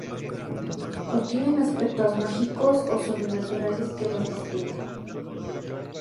Contienen aspectos mágicos o sobrenaturales que las distinguen.